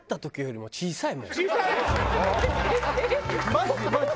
マジでマジ！